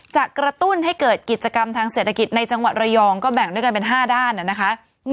กระตุ้นให้เกิดกิจกรรมทางเศรษฐกิจในจังหวัดระยองก็แบ่งด้วยกันเป็น๕ด้านนะคะ